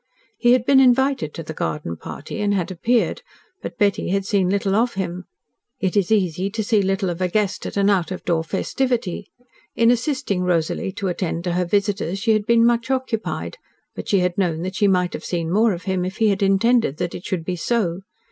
He had been invited to the garden party, and had appeared, but Betty had seen little of him. It is easy to see little of a guest at an out of door festivity. In assisting Rosalie to attend to her visitors she had been much occupied, but she had known that she might have seen more of him, if he had intended that it should be so.